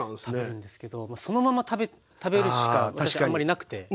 そのまま食べるしかあんまりなくて。